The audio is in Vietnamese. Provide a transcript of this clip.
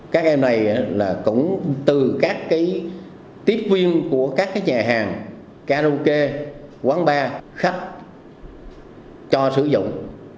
các em này cũng từ các tiếp viên của các nhà hàng karaoke quán bar khách cho sử dụng